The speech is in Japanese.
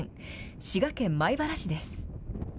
滋賀県、米原市です。